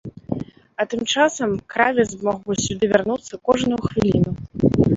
А тым часам кравец мог бы сюды вярнуцца кожную хвіліну.